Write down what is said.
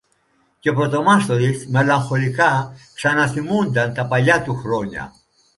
και ο πρωτομάστορης μελαγχολικά ξαναθυμούνταν τα παλιά του χρόνια